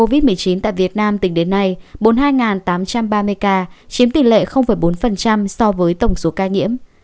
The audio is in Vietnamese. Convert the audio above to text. tổng số ca tử vong do covid một mươi chín tại việt nam tính đến nay bốn mươi hai tám trăm ba mươi ca chiếm tỷ lệ bốn so với tổng số ca nhiễm